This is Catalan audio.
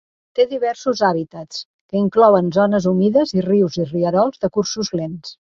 Té diversos hàbitats, que inclouen zones humides i rius i rierols de cursos lents.